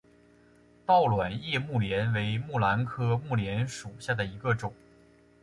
倒卵叶木莲为木兰科木莲属下的一个种。